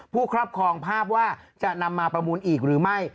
ครอบครองภาพว่าจะนำมาประมูลอีกหรือไม่